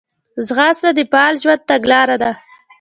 ځغاسته د فعاله ژوند تګلاره ده